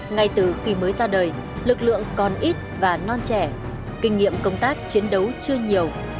ngay từ khi mới ra đời lực lượng còn ít và non trẻ kinh nghiệm công tác chiến đấu chưa nhiều